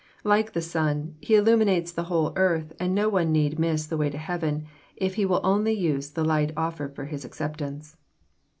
Like the sun, He illuminates the whole earth, and no one need miss the way to heaven, if he will only use the light offered for his acceptance.